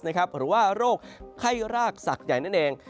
หรือว่าโรคไข้รากสัตว์ใหญ่นั่นเอง